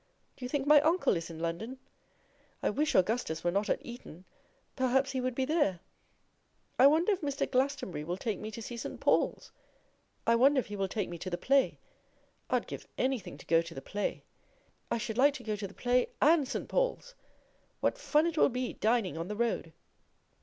Do you think my uncle is in London? I wish Augustus were not at Eton, perhaps he would be there. I wonder if Mr. Glastonbury will take me to see St. Paul's! I wonder if he will take me to the play. I'd give anything to go to the play. I should like to go to the play and St. Paul's! What fun it will be dining on the road!